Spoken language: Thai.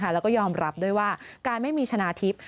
แล้วก็ยอมรับด้วยว่าการไม่มีชนะทิพย์